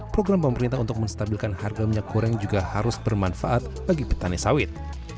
program pemerintah untuk menstabilkan harga minyak goreng juga harus bermanfaat bagi petani sawit